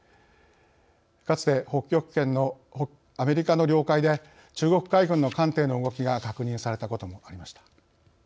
かつて北極圏のアメリカの領海で中国海軍の艦艇の動きが確認されたこともありました。